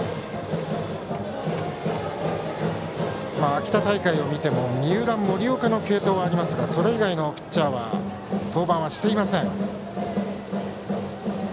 秋田大会を見ても三浦、森岡の継投はありますがそれ以外のピッチャーは登板はしていません。